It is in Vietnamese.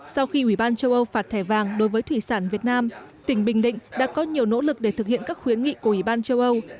sau khi ủy ban châu âu phạt thẻ vàng đối với thủy sản việt nam tỉnh bình định đã có nhiều nỗ lực để thực hiện các khuyến nghị của ủy ban châu âu